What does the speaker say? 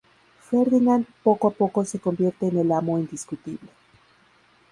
Ferdinand poco a poco se convierte en el amo indiscutible.